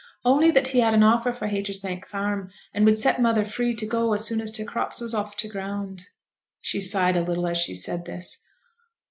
'Only that he had an offer for Haytersbank Farm, and would set mother free to go as soon as t' crops was off t' ground.' She sighed a little as she said this.